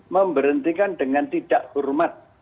memberhentikan dengan tidak hormat